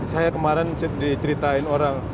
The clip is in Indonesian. saya kemarin diceritain orang